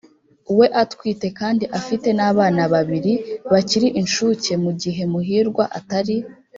we atwite kandi afite n'abana babiri bakiri inshuke mu gihe muhirwa atari